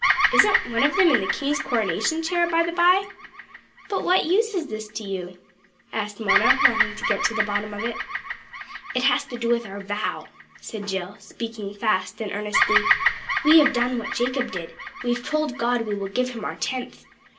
Isn't one of them in the King's coronation chair, by the bye?" "But what use is this to you?" asked Mona, wanting to get to the bottom of it. "It has to do with our vow," said Jill, speaking fast and earnestly. "We have done what Jacob did, we've told God we'll give Him our tenth.